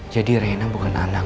jadi reina bukan anak